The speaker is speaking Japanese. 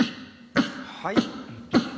はい？